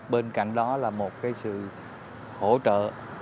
bên cạnh đó là một cái sự hỗ trợ